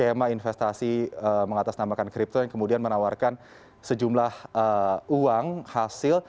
skema investasi mengatasnamakan kripto yang kemudian menawarkan sejumlah uang hasil